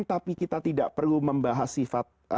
tapi kita tidak perlu membahas sifat